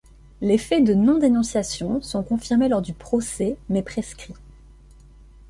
Les faits de non-dénonciations sont confirmés lors du procès, mais prescrits.